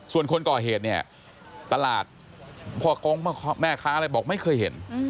ส่วนคนก่อเหตุเนี่ยตลาดพ่อกงแม่ค้าอะไรบอกไม่เคยเห็น